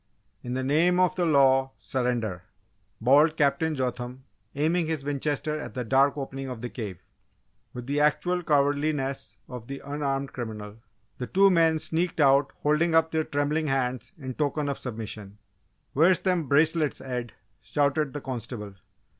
"In the name of the law, surrender!" bawled Captain Jotham, aiming his Winchester at the dark opening of the cave. With the actual cowardliness of the unarmed criminal, the two men sneaked out holding up their trembling hands in token of submission. "Where's them bracelets, Ed?" shouted the constable.